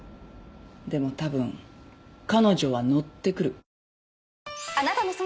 でもたぶん彼女は乗ってくる。